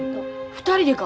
２人でか？